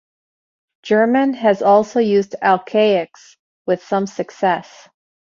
German has also used alcaics with some success.